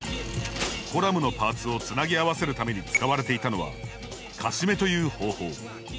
コラムのパーツをつなぎ合わせるために使われていたのは「かしめ」という方法。